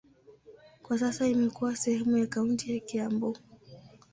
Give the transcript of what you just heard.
Kwa sasa imekuwa sehemu ya kaunti ya Kiambu.